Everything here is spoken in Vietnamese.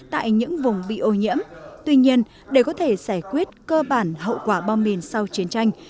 tại những vùng bị ô nhiễm tuy nhiên để có thể giải quyết cơ bản hậu quả bom mìn sau chiến tranh